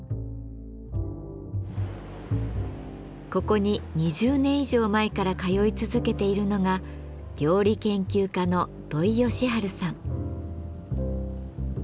ここに２０年以上前から通い続けているのが料理研究家の土井善晴さん。